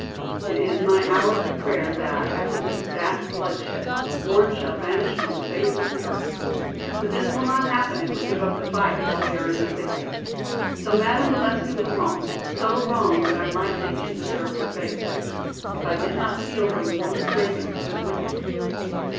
It is my hourly prayer that, after this vast bloodshed, war shall vanish from the face of the earth. But this will not happen if we give up the fight while we are in the thick of it. So Madame Valesky was wrong, so wrong that I might think she deserved her fate, if I did not feel her more mistaken than wicked."